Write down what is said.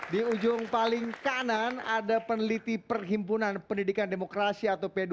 di ujung paling kanan ada peneliti perhimpunan pendidikan demokrasi atau p dua